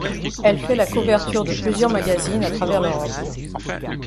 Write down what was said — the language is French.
Elle fait la couvertures de plusieurs magazines à travers l'Europe.